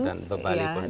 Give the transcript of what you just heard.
dan bebali foundation